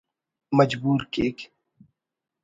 مجبور کیک